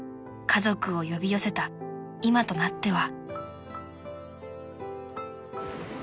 ［家族を呼び寄せた今となっては］